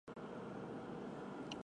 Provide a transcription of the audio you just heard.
年号有永平。